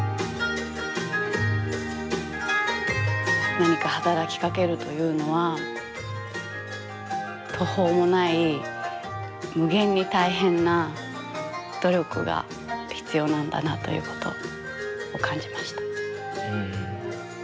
何か働きかけるというのは途方もない無限に大変な努力が必要なんだなということを感じました。